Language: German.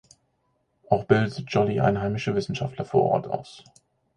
Auch bildete Jolly einheimische Wissenschaftler vor Ort aus.